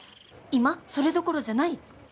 今それどころじゃない。